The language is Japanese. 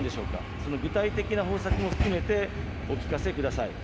その具体的な方策も含めて、お聞かせください。